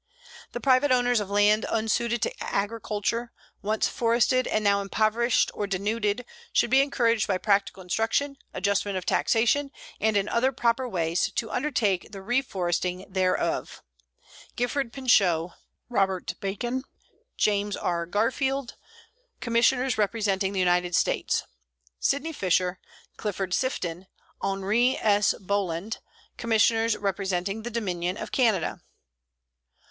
The private owners of land unsuited to agriculture, once forested and now impoverished or denuded, should be encouraged by practical instruction, adjustment of taxation, and in other proper ways, to undertake the reforesting thereof. GIFFORD PINCHOT, ROBERT BACON, JAMES R. GARFIELD, Commissioners representing the United States. SYDNEY FISHER, CLIFFORD SIFTON, HENRI S. BOLAND, Commissioners representing the Dominion of Canada.